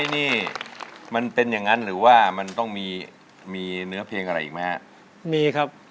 ท่านเป็นผู้ที่เลี้ยงมา